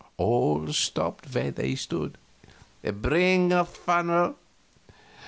All stopped where they stood. "Bring a funnel!"